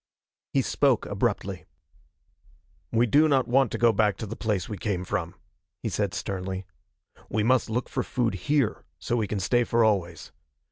He spoke abruptly. "We do not want to go back to the place we came from," he said sternly. "We must look for food here, so we can stay for always.